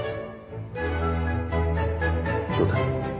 どうだ？